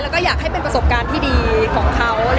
แล้วก็อยากให้เป็นประสบการณ์ที่ดีของเขา